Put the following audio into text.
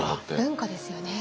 文化ですよね。